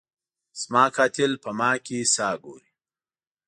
زما قاتل په ما کي ساه ګوري